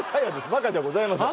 マカじゃございません